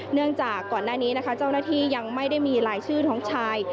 เนื่องจากก่อนหน้านี้นะคะเจ้าหน้าที่ยังไม่ได้มีลายชื่อน้องชาย